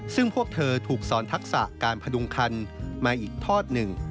ซึ่งพวกเธอถูกสอนทักษะการพดุงคันมาอีกทอดหนึ่ง